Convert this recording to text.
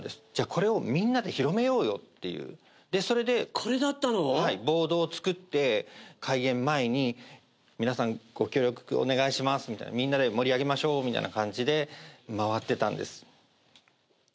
これをみんなで広めようよっていうそれでボードを作って開演前に皆さんご協力お願いしますみたいにみんなで盛り上げましょうみたいな感じで回ってたんです